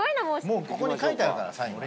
もうここに書いてあるからサインが。